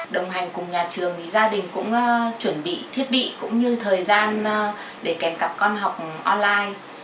đồng hành cùng nhà trường thì gia đình cũng chuẩn bị thiết bị cũng như thời gian để kèm cặp con học online